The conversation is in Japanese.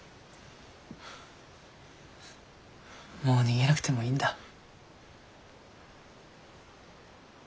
もう逃げなくてもいいんだ。